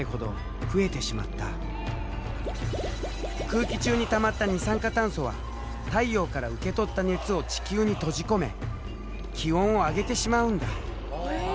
空気中にたまった二酸化炭素は太陽から受け取った熱を地球に閉じ込め気温を上げてしまうんだ。